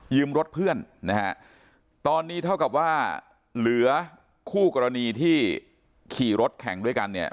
รถเพื่อนนะฮะตอนนี้เท่ากับว่าเหลือคู่กรณีที่ขี่รถแข่งด้วยกันเนี่ย